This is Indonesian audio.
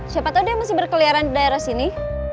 siapa tahu dia masih berkeliaran di daerah sini